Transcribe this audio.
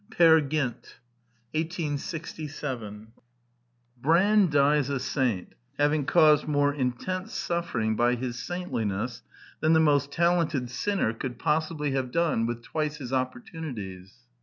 54 The Quintessence of Ibsenism Peer Gynt 1867 Brand dies a saint, having caused more intense suffering by his saintliness than the most talented sinner could possibly have done with twice his opportunities.